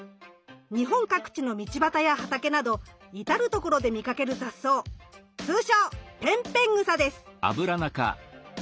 日本各地の道ばたや畑など至る所で見かける雑草通称ペンペングサです。